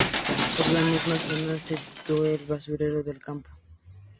Por la misma zona se situó el basurero del campo.